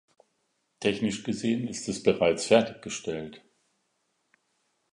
Technisch gesehen ist es bereits fertig gestellt.